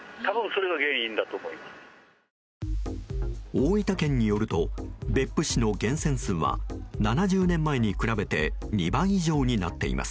大分県によると別府市の源泉数は７０年前に比べて２倍以上になっています。